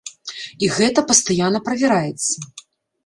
І гэта пастаянна правяраецца.